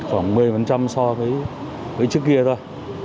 khoảng một mươi so với trước kia thôi